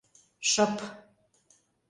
— Шып.